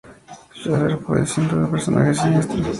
Schäfer fue sin duda un personaje siniestro.